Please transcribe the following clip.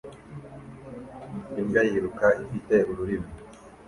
Imbwa yiruka ifite ururimi